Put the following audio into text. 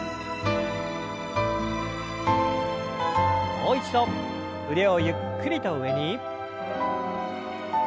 もう一度腕をゆっくりと上に。